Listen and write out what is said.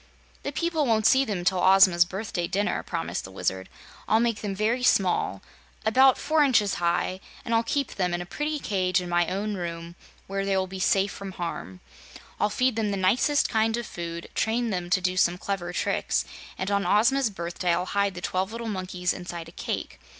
"The people won't see them till Ozma's birthday dinner," promised the Wizard. "I'll make them very small about four inches high, and I'll keep them in a pretty cage in my own room, where they will be safe from harm. I'll feed them the nicest kind of food, train them to do some clever tricks, and on Ozma's birthday I'll hide the twelve little monkeys inside a cake.